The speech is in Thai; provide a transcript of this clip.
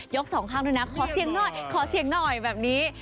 สองข้างด้วยนะขอเสียงหน่อยขอเสียงหน่อยแบบนี้